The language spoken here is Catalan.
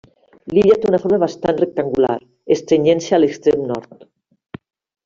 L'illa té una forma bastant rectangular, estrenyent-se a l'extrem nord.